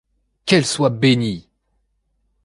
Qu'elle soit bénie!